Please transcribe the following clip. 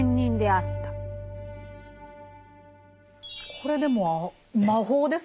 これでも魔法ですよね